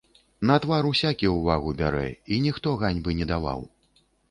На твар усякі ўвагу бярэ, й ніхто ганьбы не даваў.